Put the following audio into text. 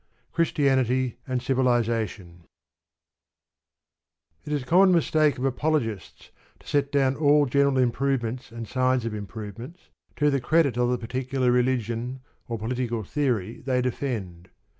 CHRISTIANITY AND CIVILISATION It is a common mistake of apologists to set down all general improvements and signs of improvements to the credit of the particular religion or political theory they defend.